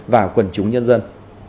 và quần chúng nhân dân